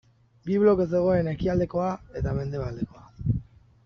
Bi bloke zegoen ekialdekoa eta mendebaldekoa.